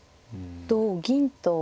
同銀と。